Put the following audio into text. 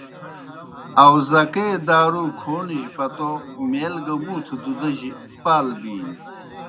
آؤزکے دارُو کھونِجیْ پتوْ میل گہ مُوتھوْ دُدِجیْ پال بِینیْ۔